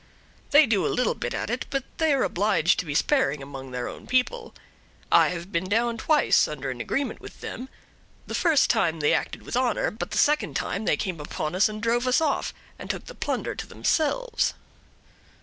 "They do a little at it; but they are obliged to be sparing among their own people. I have been down twice, under an agreement with them: the first time they acted with honor; but the second they came upon us and drove us off, and took the plunder to themselves."